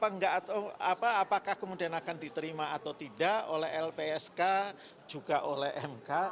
apakah kemudian akan diterima atau tidak oleh lpsk juga oleh mk